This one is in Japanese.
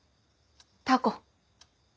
タコ。